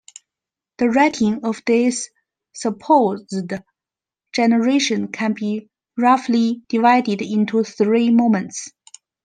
The writing of this supposed generation can be roughly divided into three moments.